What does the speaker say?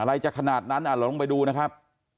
อะไรจะขนาดนั้นอ่ะเราลงไปดูนะครับ